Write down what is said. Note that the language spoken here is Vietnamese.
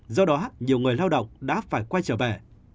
do đó nhiều người lao động đã phải quay trở về